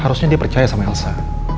harusnya dia percaya sama elsa